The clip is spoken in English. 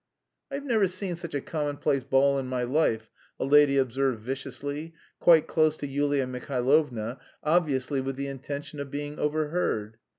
"I've never seen such a commonplace ball in my life," a lady observed viciously, quite close to Yulia Mihailovna, obviously with the intention of being overheard.